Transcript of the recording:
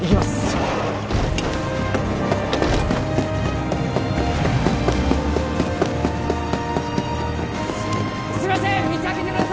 すいません